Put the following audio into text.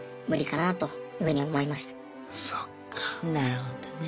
なるほどね。